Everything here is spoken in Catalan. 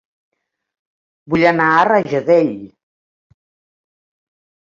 Vull anar a Rajadell